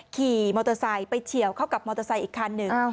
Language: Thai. ขี่มอเตอร์ไซค์ไปเฉียวเข้ากับมอเตอร์ไซค์อีกคันหนึ่ง